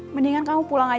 mendingan kamu pulang aja